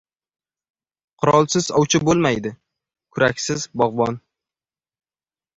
• Qurolsiz ovchi bo‘lmaydi, kuraksiz ― bog‘bon.